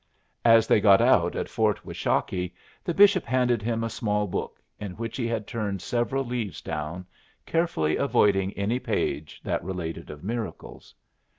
As they got out at Fort Washakie, the bishop handed him a small book, in which he had turned several leaves down, carefully avoiding any page that related of miracles.